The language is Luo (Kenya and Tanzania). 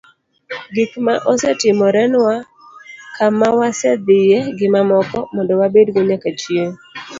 gik ma osetimorenwa, kama ma wasedhiye, gi mamoko, mondo wabedgo nyaka chieng'